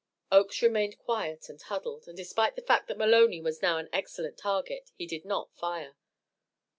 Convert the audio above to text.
Oakes remained quiet and huddled, and despite the fact that Maloney was now an excellent target, he did not fire.